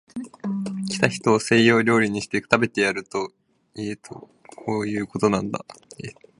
来た人を西洋料理にして、食べてやる家とこういうことなんだ